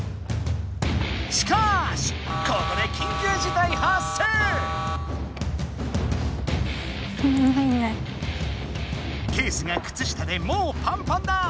ここでケースがくつ下でもうパンパンだ！